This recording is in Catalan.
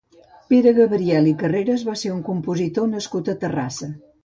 Pere Gabriel i Carreras va ser un compositor nascut a Terrassa.